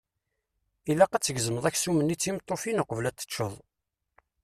Ilaq-ak ad tgezmeḍ aksum-nni d timettufin uqbel ad t-teččeḍ.